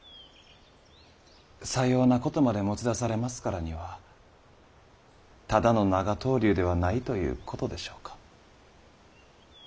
さようなことまで持ち出されますからにはただの長とう留ではないということでしょうか。